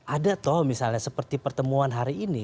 ada tuh misalnya seperti pertemuan hari ini